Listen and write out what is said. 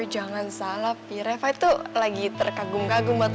jangan salah fi reva itu lagi terkagum kagum banget